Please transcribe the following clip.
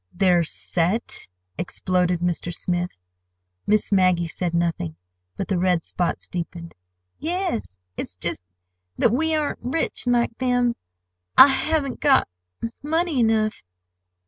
"Their set!" exploded Mr. Smith. Miss Maggie said nothing, but the red spots deepened. "Yes. It's just—that we aren't rich like them. I haven't got—money enough."